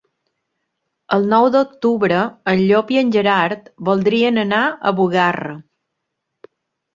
El nou d'octubre en Llop i en Gerard voldrien anar a Bugarra.